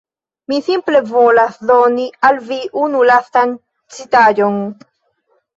Mi simple volas doni al vi unu lastan citaĵon